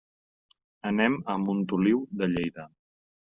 Anem a Montoliu de Lleida.